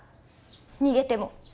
逃げても。